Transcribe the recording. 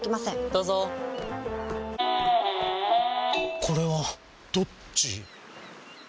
どうぞこれはどっち？